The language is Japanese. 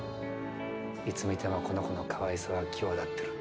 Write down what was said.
いつ見てもこの子のかわいさは際立ってる。